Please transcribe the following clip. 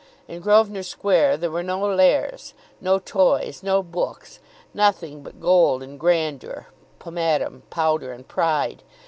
In Grosvenor Square there were no Lares; no toys, no books, nothing but gold and grandeur, pomatum, powder and pride.